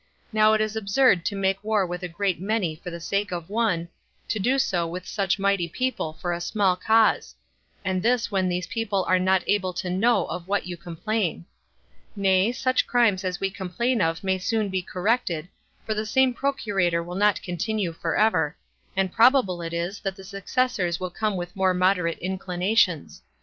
Now it is absurd to make war with a great many for the sake of one, to do so with such mighty people for a small cause; and this when these people are not able to know of what you complain: nay, such crimes as we complain of may soon be corrected, for the same procurator will not continue for ever; and probable it is that the successors will come with more moderate inclinations.